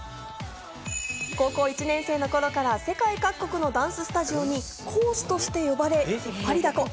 高校１年生の頃から世界各国のダンススタジオに講師として呼ばれ、引っ張りだこ。